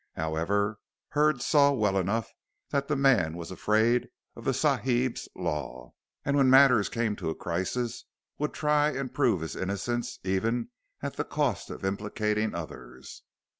However, Hurd saw well enough that the man was afraid of the Sahib's law, and when matters came to a crisis would try and prove his innocence even at the cost of implicating others.